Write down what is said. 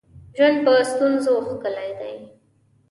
ژوند په ستونزو ښکلی دی